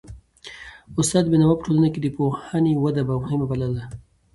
استاد بینوا په ټولنه کي د پوهنې وده مهمه بلله.